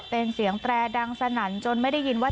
เป็นเสียงแตรดังสนั่นจนไม่ได้ยินว่า